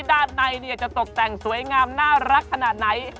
ด้านในจะตกแต่งสวยงามน่ารักขนาดไหน